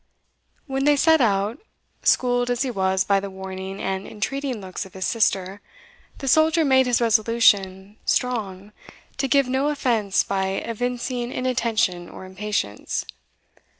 When they set out, schooled as he was by the warning and entreating looks of his sister, the soldier made his resolution strong to give no offence by evincing inattention or impatience.